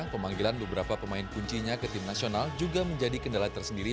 pemanggilan beberapa pemain kuncinya ke tim nasional juga menjadi kendala tersendiri